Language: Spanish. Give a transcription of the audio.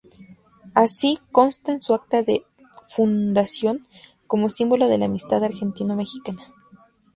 Así consta en su acta de fundación, como símbolo de la amistad argentino-mexicana.